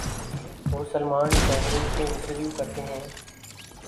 وہ سلمان ڈیمرل سے انٹرویو کرتے ہیں۔